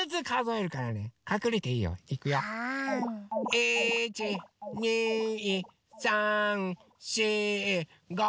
１２３４５。